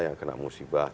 yang kena musibah